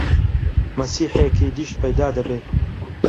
مەسیحێکی دیش پەیدا دەبێ!